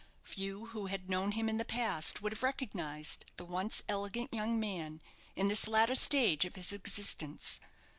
Few who had known him in the past would have recognized the once elegant young man in this latter stage of his existence.